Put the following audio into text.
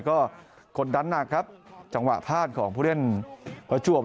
ก็กดดันหนักครับจังหวะพลาดของผู้เล่นประจวบ